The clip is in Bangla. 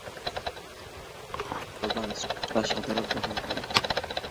চলচ্চিত্রের গানের এ্যালবাম শ্রোতারা সাদরে গ্রহণ করে।